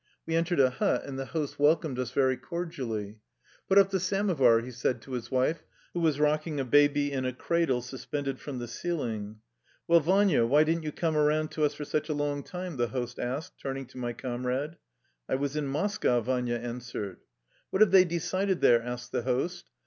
We entered a hut, and the host welcomed us very cordially. "Put up the samovar," he said to his wife, who was rocking a baby in a cradle suspended from the ceiling. "Well, Vania, why didn't you come around to us for such a long time? " the host asked, turning to my comrade. " I was in Moscow," Vania answered. "What have they decided there?" asked the host.